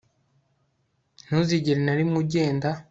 ntuzigere na rimwe ugenda